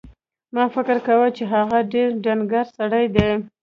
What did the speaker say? ما فکر کاوه چې هغه ډېر ډنګر سړی دی.